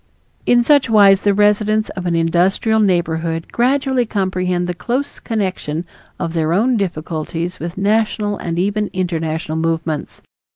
In such wise the residents of an industrial neighborhood gradually comprehend the close connection of their own difficulties with national and even international movements.